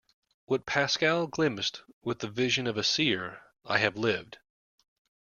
What Pascal glimpsed with the vision of a seer, I have lived.